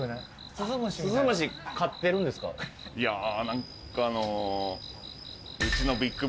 いやなんか。